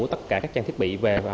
tất cả các trang thiết bị